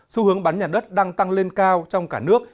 xu hướng bán nhà đất đang tăng lên cao trong cả nước